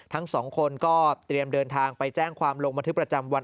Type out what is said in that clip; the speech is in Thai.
ทั้งสองคนก็เตรียมเดินทางไปแจ้งความลงบันทึกประจำวัน